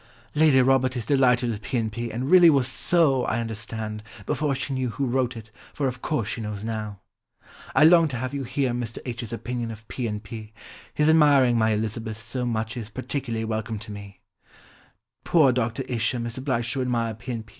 "Lady Robert is delighted with P. and P., and really was so, I understand, before she knew who wrote it, for, of course she knows now." "I long to have you hear Mr. H's opinion of P. and P. His admiring my Elizabeth so much is particularly welcome to me." "Poor Dr. Isham is obliged to admire P. and P.